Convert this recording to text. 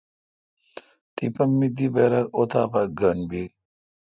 تپہ می دی برر اتاں پا گھن بیل۔